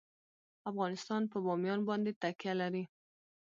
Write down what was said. افغانستان په بامیان باندې تکیه لري.